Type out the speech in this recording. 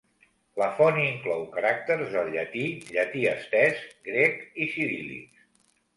La font inclou caràcters del llatí, Llatí estès, Grec, i Ciríl·lics.